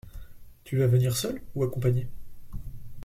Tu vas venir seul ou accompagné?